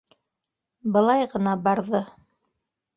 Былай ғына барҙы.